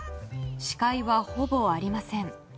視界は、ほぼありません。